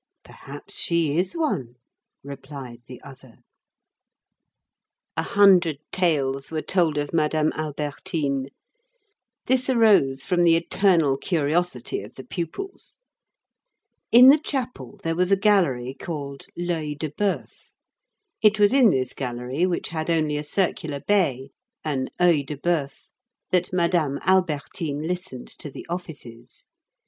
"Perhaps she is one," replied the other. A hundred tales were told of Madame Albertine. This arose from the eternal curiosity of the pupils. In the chapel there was a gallery called L'Œil de Bœuf. It was in this gallery, which had only a circular bay, an œil de bœuf, that Madame Albertine listened to the offices.